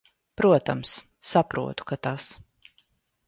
Protams, saprotu, ka tas.